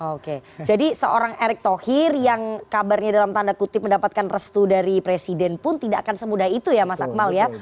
oke jadi seorang erick thohir yang kabarnya dalam tanda kutip mendapatkan restu dari presiden pun tidak akan semudah itu ya mas akmal ya